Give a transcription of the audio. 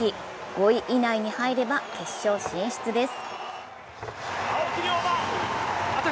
５位以内に入れば決勝進出です。